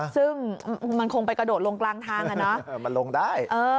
ซึ่งมันคงไปกระโดดลงกลางทางมันลงได้